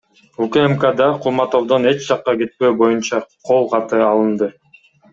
УКМКда Кулматовдон эч жакка кетпөө боюнча кол каты алынды.